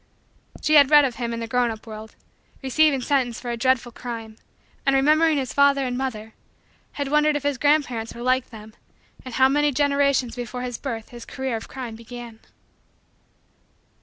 She had read of him, in the grown up world, receiving sentence for a dreadful crime, and, remembering his father and mother, had wondered if his grandparents were like them and how many generations before his birth his career of crime began.